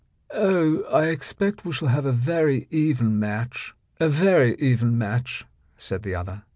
"Oh, I expect we shall have a very even match, a very even match," said the other.